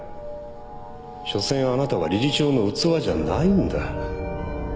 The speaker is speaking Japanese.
しょせんあなたは理事長の器じゃないんだ。